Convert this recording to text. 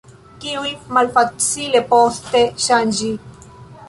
Kiujn malfacile poste ŝanĝi.